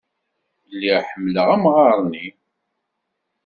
Lliɣ ḥemmleɣ amɣar-nni.